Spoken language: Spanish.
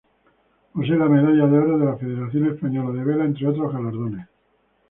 Posee la medalla de oro de la Federación Española de Vela, entre otros galardones.